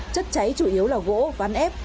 chất cháy chủ yếu là gỗ ván ép